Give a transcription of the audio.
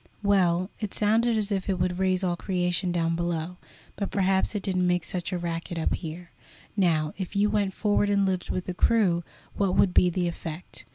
"Well, it sounded as if it would raise all creation down below, but perhaps it didn't make such a racket up here. Now, if you went forward and lived with the crew, what would be the effect?